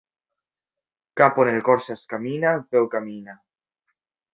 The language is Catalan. Cap on el cor s'encamina, el peu camina.